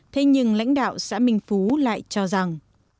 thế nhưng lãnh đạo xã minh phú lại cho rằng